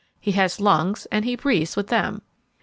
He has lungs, and he breathes with them.